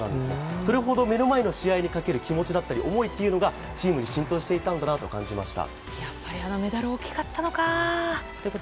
それほど目の前の試合にかける気持ちとか思いがチームに浸透していたんだなと感じました。